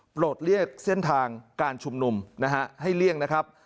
โปรดเลี่ยงเส้นทางการชุมนุมนะฮะให้เลี่ยงนะครับ